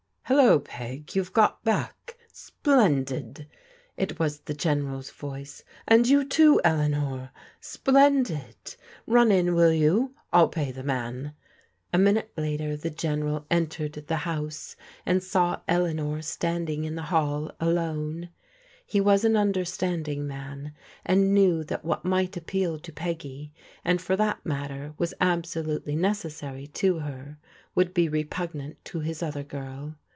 "Hello, Peg, you've got back. Splendid!" It was the General's voice. " And you too, Eleanor I Splendid* Run in, will you ? I'll pay the man." A minute later the Greneral entered the house and saw Eleanor standing in the hall alone. He was an under standing man, and knew that what might appeal to Peggy, and for that matter was absolutely necessary to her, would be repugnant to his other girl.